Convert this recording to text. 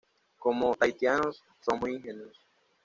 Como tahitianos, son muy ingenuos.